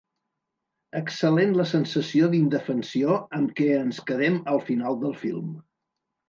Excel·lent la sensació d'indefensió amb què ens quedem al final del film.